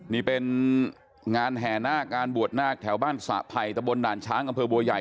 นี่เป็นงานแห่นาคงานบวชนาคแถวบ้านสระไผ่ตะบนด่านช้างอำเภอบัวใหญ่